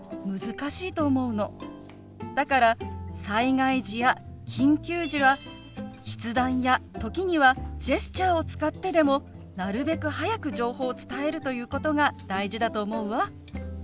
だから災害時や緊急時は筆談や時にはジェスチャーを使ってでもなるべく早く情報を伝えるということが大事だと思うわ。